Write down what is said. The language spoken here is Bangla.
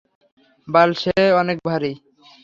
বাল, সে অনেক ভারী।